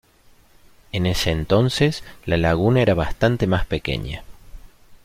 En ese entonces, la laguna era bastante más pequeña.